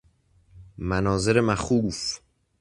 مناظر مخوف